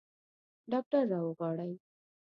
ډاکټر راوغواړئ